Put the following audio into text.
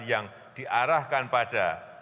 yang diarahkan pada